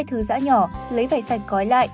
hai thứ rã nhỏ lấy vài sạch cói lại